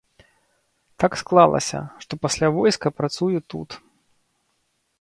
Так склалася, што пасля войска працую тут.